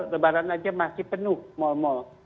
lebaran aja masih penuh mal mal